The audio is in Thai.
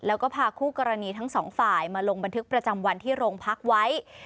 แล้วก็พาคู่กรณีทั้งสองฝ่ายมาลงบันทึกประจำวันที่โรงพักไว้